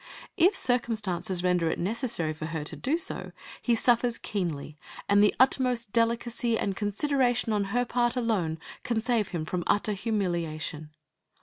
If circumstances render it necessary for her to do so, he suffers keenly, and the utmost delicacy and consideration on her part alone can save him from utter humiliation.